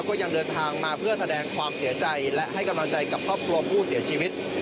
ก็ยังเดินทางมาเพื่อแสดงความเสียใจและให้กำลังใจกับครอบครัวผู้เสียชีวิต